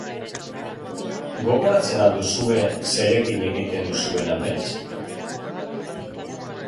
Gogoratzen al duzue zerekin egiten duzuen amets?